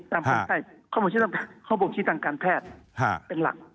ตามคนไข้ข้อบงที่ต่างการแพทย์เป็นหลัก